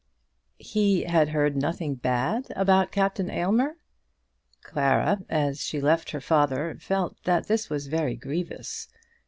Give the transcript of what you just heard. He had heard nothing bad about Captain Aylmer! Clara, as she left her father, felt that this was very grievous.